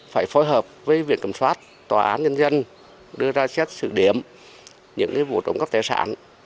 phải phối hợp với viện cẩm soát tòa án nhân dân đưa ra xét sự điểm những vụ trộm cắp tài sản